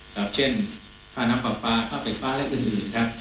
แบบเช่นข้าน้ำผัวปลาข้าวเป็ดปลาและทุกอื่นครับ